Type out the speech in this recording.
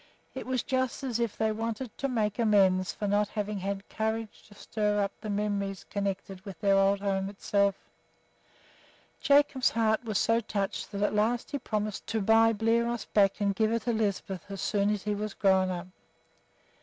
It was just as if they wanted to make amends for not having had courage to stir up the memories connected with their old home itself. Jacob's heart was so touched at the last that he promised to buy Bliros back and give her to Lisbeth as soon as he was grown up.